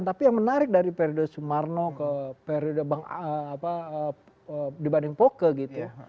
tapi yang menarik dari periode sumarno dibanding poke gitu